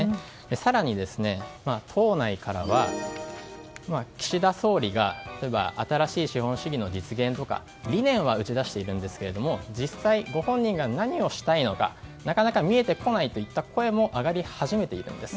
更に、党内からは岸田総理が新しい資本主義の実現とか理念は打ち出しているんですが実際ご本人が何をしたいのかなかなか見えてこないという声も上がり始めているんです。